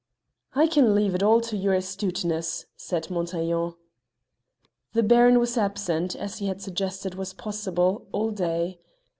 "I can leave it all to your astuteness," said Montaiglon. The Baron was absent, as he had suggested was possible, all day.